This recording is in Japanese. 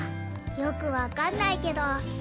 よく分かんないけど。